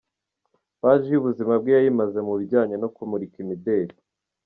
Paji y’ubuzima bwe yayimaze mu bijyanye no kumurika imideli.